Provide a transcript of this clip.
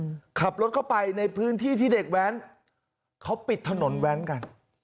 ขับรถเข้าไปในพื้นที่ที่เด็กแว้นเขาปิดถนนแว้นกัน